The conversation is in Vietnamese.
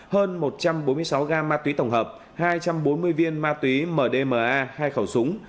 hơn một trăm bốn mươi sáu gam ma túy tổng hợp hai trăm bốn mươi viên ma túy mdma hai khẩu súng